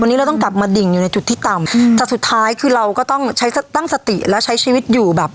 วันนี้เราต้องกลับมาดิ่งอยู่ในจุดที่ต่ำแต่สุดท้ายคือเราก็ต้องใช้ตั้งสติแล้วใช้ชีวิตอยู่แบบ